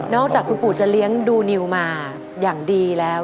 อกจากคุณปู่จะเลี้ยงดูนิวมาอย่างดีแล้ว